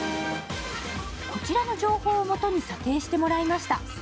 こちらの情報をもとに査定してもらいました。